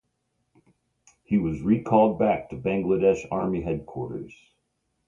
He was recalled back to Bangladesh Army headquarters.